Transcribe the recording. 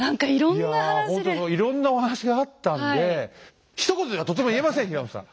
いやほんとそういろんなお話があったんでひと言ではとても言えません平野さん。